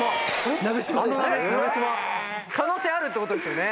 可能性あるってことですよね。